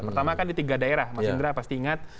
pertama kan di tiga daerah mas indra pasti ingat